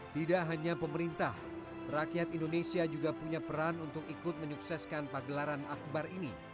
tidak hanya pemerintah rakyat indonesia juga punya peran untuk ikut menyukseskan pagelaran akbar ini